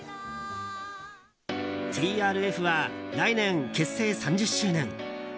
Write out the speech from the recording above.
ＴＲＦは来年結成３０周年。